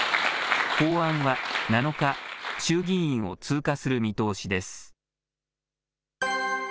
法案は７日、衆議院を通過する見通しです。